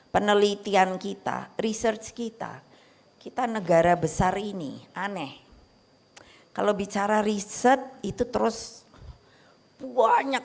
penelitian kita research kita kita negara besar ini aneh kalau bicara riset itu terus banyak